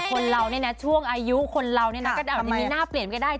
คนเราช่วงอายุคนเราก็อาจจะมีหน้าเปลี่ยนไปได้